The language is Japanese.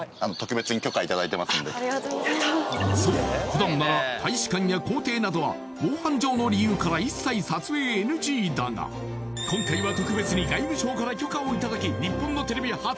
普段なら大使館や公邸などは防犯上の理由から一切撮影ＮＧだが今回は特別に外務省から許可をいただき日本のテレビ初！